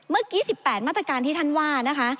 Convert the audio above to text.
เมื่อกี้๑๘มาตรการที่ท่านว่านะคะ